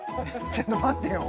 ちょっと待ってよ